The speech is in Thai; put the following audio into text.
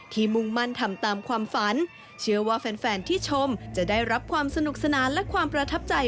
มุ่งมั่นทำตามความฝันเชื่อว่าแฟนที่ชมจะได้รับความสนุกสนานและความประทับใจ